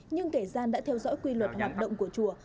nhưng kẻ gian đã theo dõi quy luật hoạt động của chùa